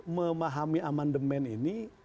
memahami emendemen ini